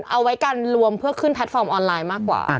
เอาไว้กันรวมเพื่อขึ้นแพลตฟอร์มออนไลน์มากกว่า